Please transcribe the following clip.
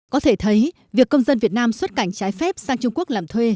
có thể thấy việc công dân việt nam xuất cảnh trái phép sang trung quốc làm thuê